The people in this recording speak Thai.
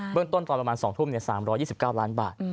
เรื่องต้นตอนประมาณ๒ทุ่ม๓๒๙ล้านบาท